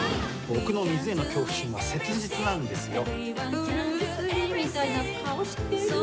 僕の水への恐怖心は切実なんですよ。